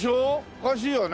おかしいよね。